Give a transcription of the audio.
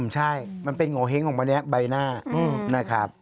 ใช่มันเป็นโงเห้งของวันนี้ใบหน้านะครับ